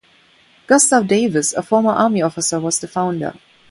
Gustav Davis, a former army officer, was the founder.